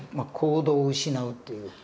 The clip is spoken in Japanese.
行動を失うっていう。